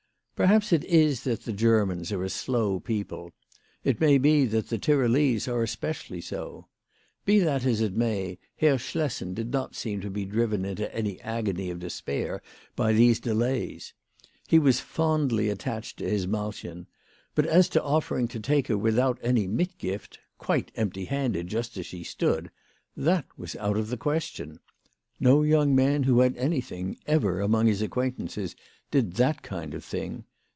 Perhaps it is that the Grermans are a slow people. It may be that the Tyrolese are especially so. Be that as it may, Herr Schlessen did not seem to be driven into any agony of despair by these delays. He was fondly attached to his Malchen ; but as to offering to take her without any mitgift, quite empty handed, just as she stood, that was out of the question. No young man who had anything, ever among his acquaintances, did that kind of thing.